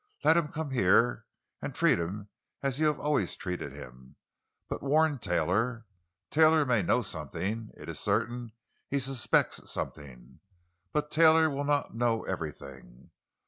Let him come here, and treat him as you have always treated him. But warn Taylor. Taylor may know something—it is certain he suspects something—but Taylor will not know everything.